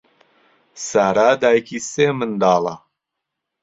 سارا دایکی سێ منداڵە.